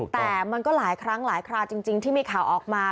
แต่มันก็หลายครั้งหลายคราวจริงที่มีข่าวออกมา